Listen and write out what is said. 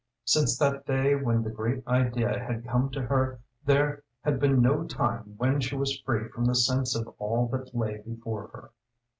Since that day when the great idea had come to her there had been no time when she was free from the sense of all that lay before her.